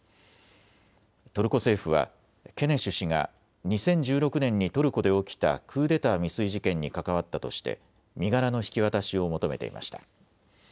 トルコ政府はケネシュ氏が２０１６年にトルコで起きたクーデター未遂事件に関わったとして身柄の引き渡しを求めていました。